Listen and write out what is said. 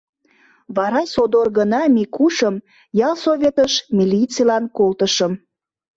Вара содор гына Микушым ялсоветыш милицийлан колтышым.